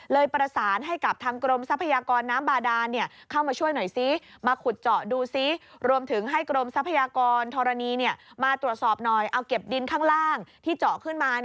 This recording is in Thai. เลยประสานให้กับทางกรมทรัพยากรน้ำบาดาร